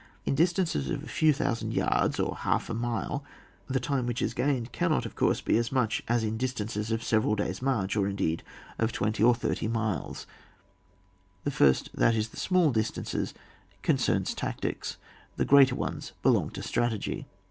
In distances of a few thousand yards, or a half mile, the time which is gained, cannot of course be as much as in distances of several days' march, or indeed, of twenty or thirty miles ; the first, that is, the small dis tances, concerns tactics, the greater ones belong to strategy.